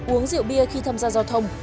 uống rượu bia khi tham gia giao thông